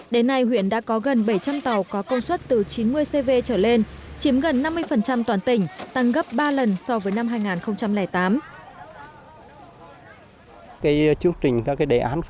đến nay huyện đã có gần bảy trăm linh tàu có công suất từ chín mươi cv trở lên chiếm gần năm mươi toàn tỉnh tăng gấp ba lần so với năm hai nghìn tám